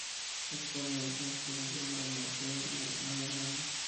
Actualmente es profesor de la Universidad de Maryland.